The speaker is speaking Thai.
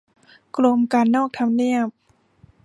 กรมการนอกทำเนียบ